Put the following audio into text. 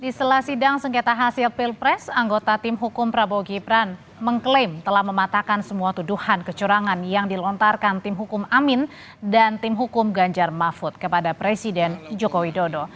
setelah sidang sengketa hasil pilpres anggota tim hukum prabowo gibran mengklaim telah mematahkan semua tuduhan kecurangan yang dilontarkan tim hukum amin dan tim hukum ganjar mahfud kepada presiden joko widodo